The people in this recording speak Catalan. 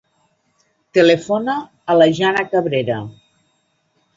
Telefona a la Jana Cabrera.